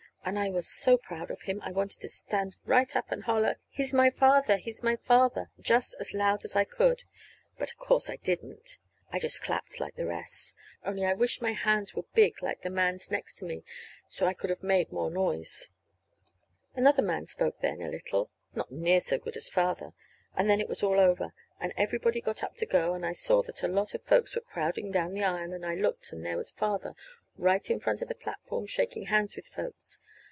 And I was so proud of him I wanted to stand right up and holler, "He's my father! He's my father!" just as loud as I could. But, of course, I didn't. I just clapped like the rest; only I wished my hands were big like the man's next to me, so I could have made more noise. Another man spoke then, a little (not near so good as Father), and then it was all over, and everybody got up to go; and I saw that a lot of folks were crowding down the aisle, and I looked and there was Father right in front of the platform shaking hands with folks.